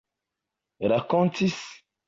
rakontis